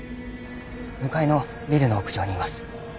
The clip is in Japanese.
向かいのビルの屋上にいます。